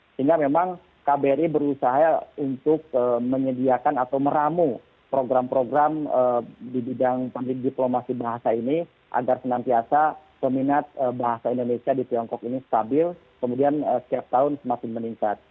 sehingga memang kbri berusaha untuk menyediakan atau meramu program program di bidang diplomasi bahasa ini agar senantiasa peminat bahasa indonesia di tiongkok ini stabil kemudian setiap tahun semakin meningkat